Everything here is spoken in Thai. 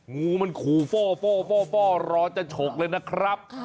งูมันขู่ฟ่อรอจะฉกเลยนะครับ